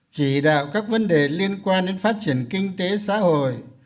chỉ đạo các vấn đề liên quan đến phát triển kinh tế xã hội